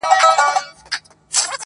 او د قبرونو پر کږو جنډيو!.